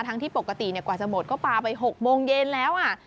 ที่ปกติกว่าจะหมดก็ปลาไป๖โมงเย็นแล้ว